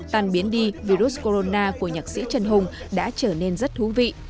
tàn biến đi virus corona của nhạc sĩ trần hùng đã trở nên rất thú vị